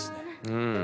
うん。